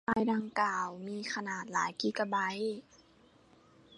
ไฟล์ดังกล่าวมีขนาดหลายกิกะไบต์